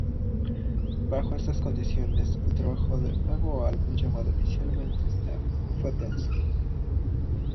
Bajo estas condiciones, el trabajo en el nuevo álbum, llamado inicialmente "Stampede", fue tenso.